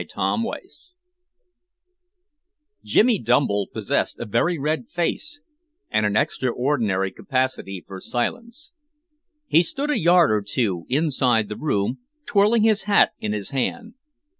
CHAPTER VI Jimmy Dumble possessed a very red face and an extraordinary capacity for silence. He stood a yard or two inside the room, twirling his hat in his hand.